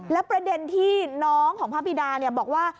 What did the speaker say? แล้วประเด็นที่น้องของภาพวีดาบอกว่า